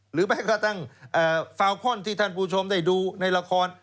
แม้กระทั่งฟาวคอนที่ท่านผู้ชมได้ดูในละคร